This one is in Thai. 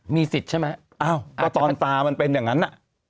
มีสิทธิ์ใช่ไหมอ้าวก็ตอนตามันเป็นอย่างนั้น